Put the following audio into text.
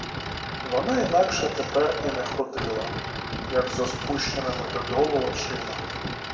Вона інакше тепер і не ходила, як зо спущеними додолу очима.